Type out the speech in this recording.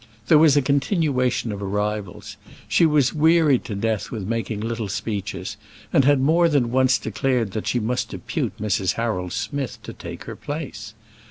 There was a continuation of arrivals; she was wearied to death with making little speeches, and had more than once declared that she must depute Mrs. Harold Smith to take her place.